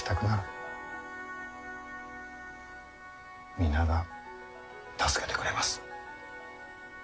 皆が助けてくれます。